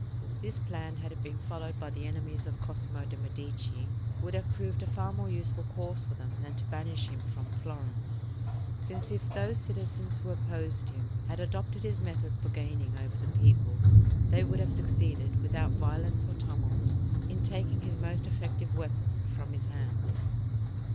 This plan, had it been followed by the enemies of Cosimo de' Medici, would have proved a far more useful course for them than to banish him from Florence; since if those citizens who opposed him had adopted his methods for gaining over the people, they would have succeeded, without violence or tumult, in taking his most effective weapon from his hands.